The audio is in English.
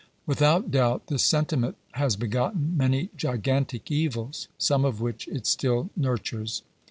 Without doubt this sentiment has begotten many gigantic evils, some of which it still nurtures.